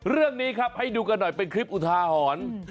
เรื่องนี้ครับให้ดูกันหน่อยเป็นคลิปอุทาหรณ์